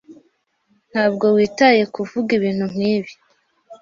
Ntabwo witayeho kuvuga ibintu nkibi.